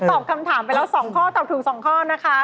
ตอบคำถามไปแล้ว๒ข้อตอบถูก๒ข้อนะคะ